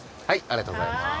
ありがとうございます。